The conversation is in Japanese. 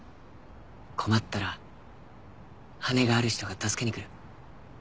困ったら羽がある人が助けにくる。